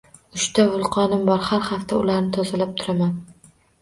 — Uchta vulqonim bor, har haftada ularni tozalab turaman.